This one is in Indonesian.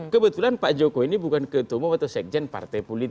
kebetulan pak jokowi ini bukan ketua umum atau sekjen partai politik